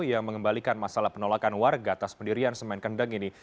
yang mengembalikan masalah penolakan warga atas pendirian semen kendeng ini